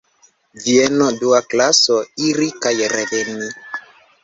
Vieno, dua klaso, iri kaj reveni.